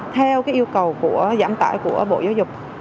theo yêu cầu giảm tải của bộ giáo dục